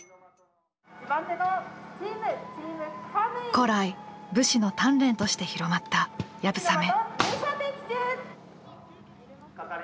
古来武士の鍛錬として広まった流鏑馬。